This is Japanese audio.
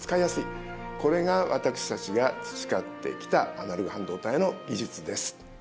これが私たちが培ってきたアナログ半導体の技術です。